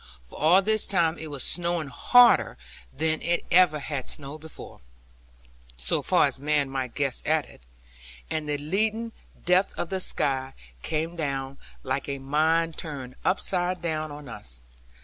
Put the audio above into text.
For all this time it was snowing harder than it ever had snowed before, so far as a man might guess at it; and the leaden depth of the sky came down, like a mine turned upside down on us.